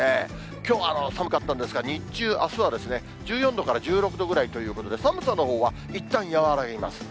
きょうは寒かったんですが、日中、あすは１４度から１６度ぐらいということで、寒さのほうはいったん和らぎます。